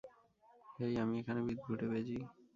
হেই, আমি এখানে, বিদঘুটে বেজী।